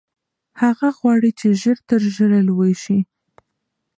هغه غواړي چې ژر تر ژره لوی شي.